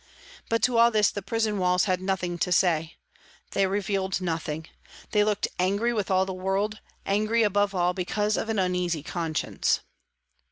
But to all this the prison walls had nothing to say. They revealed nothing. They looked angry with all the world, angry above all because of an uneasy conscience.